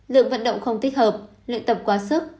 lượng vận động không tích hợp luyện tập quá sức